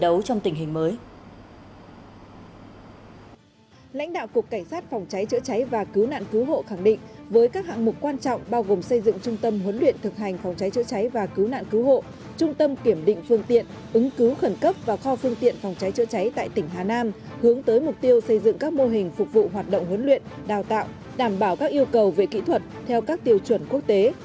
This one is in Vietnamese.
đánh đạo cục cảnh sát phòng cháy chữa cháy và cứu nạn cứu hộ khẳng định với các hạng mục quan trọng bao gồm xây dựng trung tâm huấn luyện thực hành phòng cháy chữa cháy và cứu nạn cứu hộ trung tâm kiểm định phương tiện ứng cứu khẩn cấp và kho phương tiện phòng cháy chữa cháy tại tỉnh hà nam hướng tới mục tiêu xây dựng các mô hình phục vụ hoạt động huấn luyện đào tạo đảm bảo các yêu cầu về kỹ thuật theo các tiêu chuẩn quốc tế